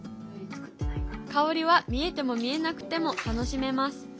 香りは見えても見えなくても楽しめます。